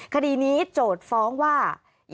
คดีนี้โจทย์ฟ้องว่า